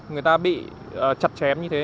người ta bị chặt chém như thế